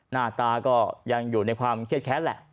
หน้าตาก็ยังอยู่ในความเครียดแค้นแหละ